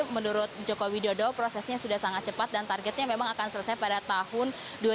menurut joko widodo prosesnya sudah sangat cepat dan targetnya memang akan selesai pada tahun dua ribu dua puluh